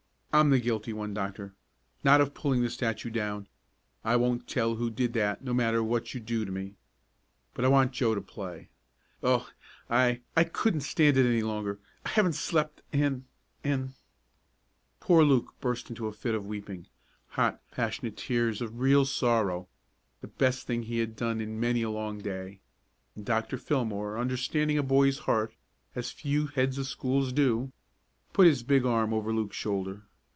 I'm the guilty one, Doctor not of pulling the statue down I won't tell who did that, no matter what you do to me. But I want Joe to play. Oh, I I couldn't stand it any longer. I haven't slept, and and " Poor Luke burst into a fit of weeping hot, passionate tears of real sorrow the best thing he had done in many a long day and Dr. Fillmore, understanding a boy's heart as few heads of schools do, put his big arm over Luke's shoulder.